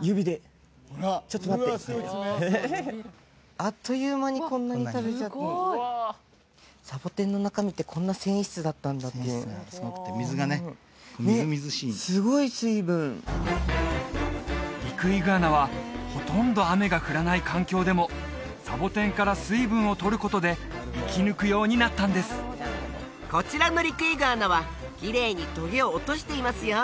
指でちょっと待ってってあっという間にこんなに食べちゃったサボテンの中身ってこんな繊維質だったんだっていう繊維質がすごくて水がねみずみずしいすごい水分リクイグアナはほとんど雨が降らない環境でもサボテンから水分を取ることで生き抜くようになったんですこちらのリクイグアナはきれいにトゲを落としていますよ